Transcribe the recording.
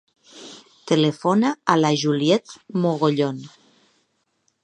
Telefona a la Juliet Mogollon.